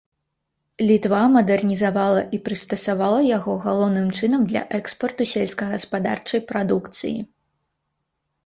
Літва мадэрнізавала і прыстасавала яго галоўным чынам для экспарту сельскагаспадарчай прадукцыі.